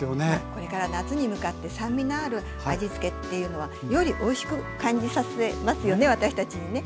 これから夏に向かって酸味のある味つけっていうのはよりおいしく感じさせますよね